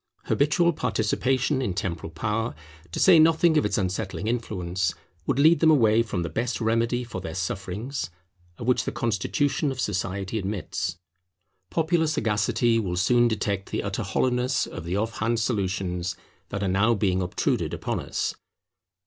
Habitual participation in temporal power, to say nothing of its unsettling influence, would lead them away from the best remedy for their sufferings of which the constitution of society admits. Popular sagacity will soon detect the utter hollowness of the off hand solutions that are now being obtruded upon us.